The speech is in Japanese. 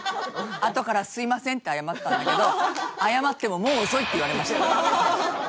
あとから「すみません」って謝ったんだけど「謝ってももう遅い！」って言われました。